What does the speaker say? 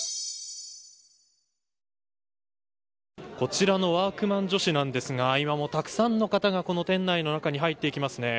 こちらのワークマン女子なんですが今、たくさんの方がこの店内に入っていきますね。